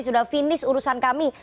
sudah finish urusan kami